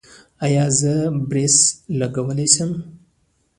ایا زه برېس لګولی شم؟